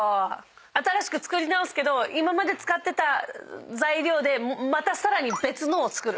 新しく造り直すけど今まで使ってた材料でまたさらに別のを造る。